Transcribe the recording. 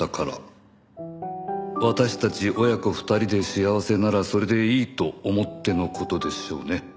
「私たち親子二人で幸せならそれでいいと思ってのことでしょうね」